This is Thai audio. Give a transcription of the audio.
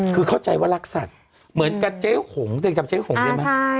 คือเข้าใจว่ารักสัตว์เหมือนกับเจ๊หงต่อจับเจ๊หงเรียกมั้ย